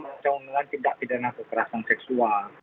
rancangan undang undang tidak pidana kekerasan seksual